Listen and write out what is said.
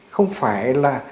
không phải là